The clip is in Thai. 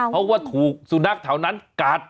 เพราะว่าถูกสุนัขแถวนั้นกัด